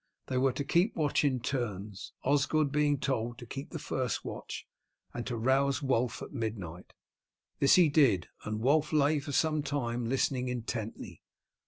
They were to keep watch in turns, Osgod being told to keep the first watch and to rouse Wulf at midnight. This he did, and Wulf lay for some time listening intently.